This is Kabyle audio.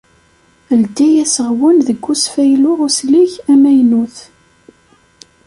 Ldi aseɣwen deg usfaylu uslig amaynut.